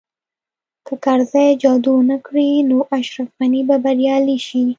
که کرزی جادو ونه کړي نو اشرف غني به بریالی شي